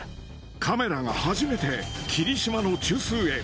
カメラが初めて、きりしまの中枢へ。